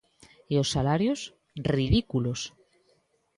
E os salarios, ridículos.